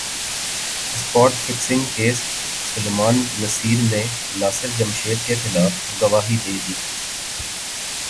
spot fixing case Salman Nasir نے ناصر جمشید کیخلاف گواہی دے دی